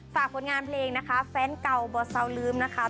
ฝากผลงานเพลงนะคะแฟนเก่าบอเซาลืมนะคะ